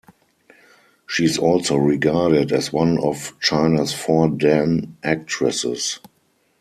She is also regarded as one of China's Four Dan Actresses.